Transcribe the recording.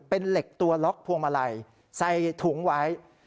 เป็นเหล็กตัวล็อกพวงมาลัยใส่ถุงไว้